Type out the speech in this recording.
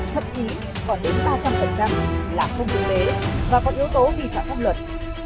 thậm chí còn đến ba trăm linh là không tương đế và có yếu tố vi phạm pháp luật